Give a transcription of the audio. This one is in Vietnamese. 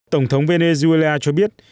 tổng thống venezuela cho biết